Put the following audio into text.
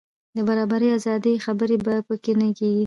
د برابرۍ او ازادۍ خبرې په کې نه کېږي.